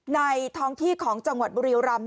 ในท้องที่ของจังหวัดบุรียรำ